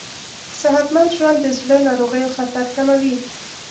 صحتمند ژوند د زړه ناروغیو خطر کموي.